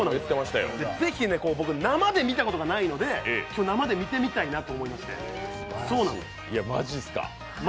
ぜひ生で見たことがないので今日生で見てみたいと思いまして。